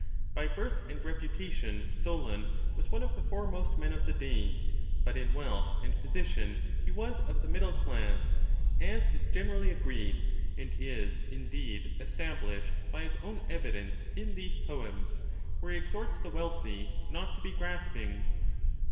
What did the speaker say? By birth and reputation Solon was one of the foremost men of the day, but in wealth and position he was of the middle class, as is gene rally agreed, and is, indeed, established by his own evidence in these poems, where he exhorts the wealthy not to be grasping.